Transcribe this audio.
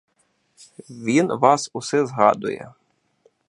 Він вас усе згадує.